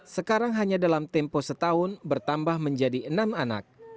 sekarang hanya dalam tempo setahun bertambah menjadi enam anak